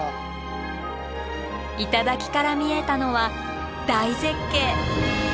頂から見えたのは大絶景。